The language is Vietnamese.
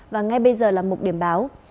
và ngay bây giờ là một điểm báo